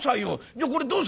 じゃあこれどうする？」。